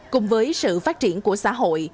cùng với sự phát triển của xã hội